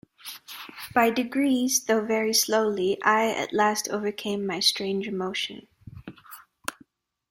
By degrees, though very slowly, I at last overcame my strange emotion.